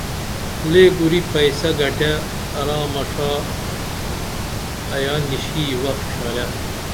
لئے کُری پسیہ گٹے ارامہ ڜا آیا نشی وخ ڇھارے